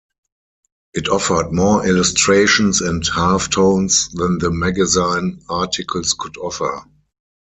It offered more illustrations and halftones than the magazine articles could offer.